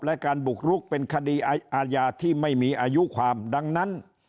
และการบุกรุกเป็นคดีอาญาที่ไม่มีอายุความดังนั้น